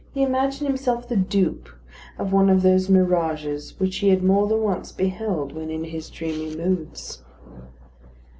He imagined himself the dupe of one of those mirages which he had more than once beheld when in his dreamy moods.